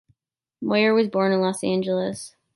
Moyer was born in Los Angeles.